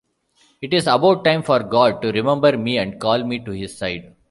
It's about time for God to remember me and call me to his side.